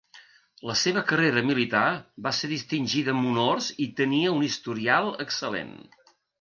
La seva carrera militar va ser distingida amb honors i tenia un historial excel·lent.